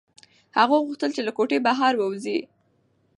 هغه غوښتل چې له کوټې بهر ووځي.